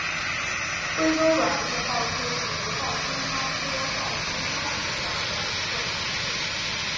贵州卵叶报春为报春花科报春花属下的一个种。